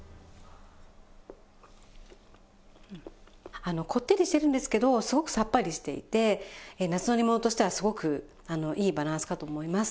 うんこってりしてるんですけどすごくさっぱりしていて夏の煮ものとしてはすごくいいバランスかと思います。